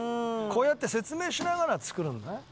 こうやって説明しながら作るんだね。